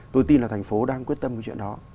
tôi tin là thành phố đang quyết tâm cái chuyện đó